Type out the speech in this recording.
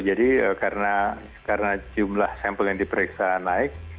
jadi karena jumlah sampel yang diperiksa naik